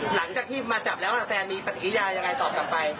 หลังจากที่มาจับแล้วแซนมีปฏิกิริยายังไงตอบกลับไป